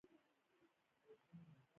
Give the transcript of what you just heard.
دا د عوایدو او مصارفو وړاندوینه وه.